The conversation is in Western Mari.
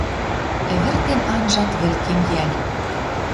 Ӹвӹртен анжат вӹлкем йӓл.